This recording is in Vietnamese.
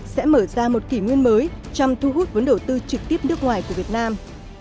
sẽ mở ra một kỷ nguyên mới chăm thu hút vấn đổ tư trực tiếp nước ngoài của việt nam